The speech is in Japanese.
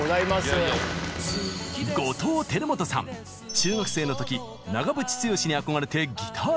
中学生の時長渕剛に憧れてギター